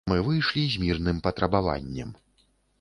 Мы выйшлі з мірным патрабаваннем.